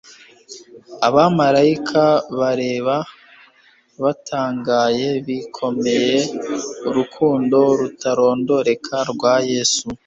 Abamaraika barebaga batangaye bikomeye urukundo rutarondoreka rwa Yesu